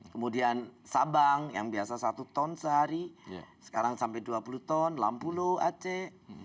kemudian sabang yang biasa satu ton sehari sekarang sampai dua puluh ton lampulo aceh